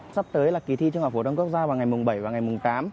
sắp tới là kỳ thi trung học phổ thông quốc gia vào ngày mùng bảy và ngày mùng tám